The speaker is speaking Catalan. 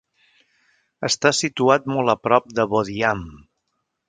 Està situat molt a prop de Bodiam.